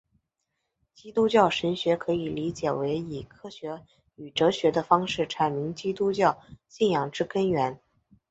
基督教神学可以理解为以科学与哲学的方式阐明基督教信仰之根源。